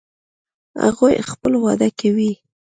هغوی خپل واده کوي